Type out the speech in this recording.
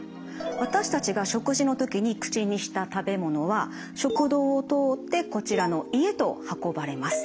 私たちが食事の時に口にした食べ物は食道を通ってこちらの胃へと運ばれます。